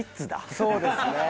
そうですね。